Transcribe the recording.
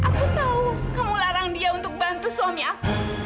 aku tahu kamu larang dia untuk bantu suami aku